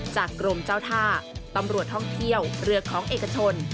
จากกรมเจ้าท่าตำรวจท่องเที่ยวเรือของเอกชน